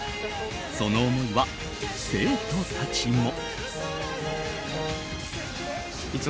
その思いは生徒たちも。